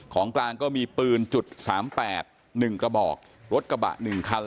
ของกลางก็มีปืนจุดสามแปดหนึ่งกระบอกรถกระบะหนึ่งคัน